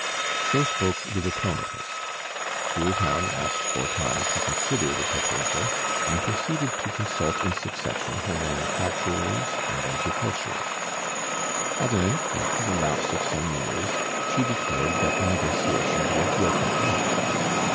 So spoke the diplomatist. Fooltown asked for time to consider the proposal, and proceeded to consult in succession her manufacturers and agriculturists. At length, after the lapse of some years, she declared that the negotiations were broken off.